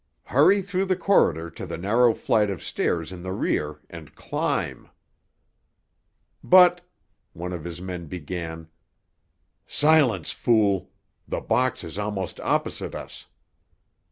Hurry through the corridor to the narrow flight of stairs in the rear, and climb!" "But——" one of his men began. "Silence, fool. The box is almost opposite us!"